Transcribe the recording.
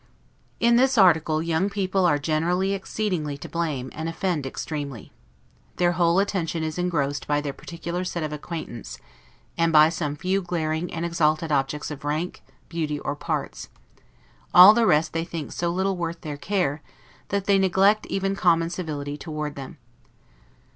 In this article, young people are generally exceedingly to blame, and offend extremely. Their whole attention is engrossed by their particular set of acquaintance; and by some few glaring and exalted objects of rank, beauty, or parts; all the rest they think so little worth their care, that they neglect even common civility toward them.